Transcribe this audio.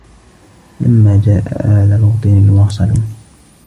فَلَمَّا جَاءَ آلَ لُوطٍ الْمُرْسَلُونَ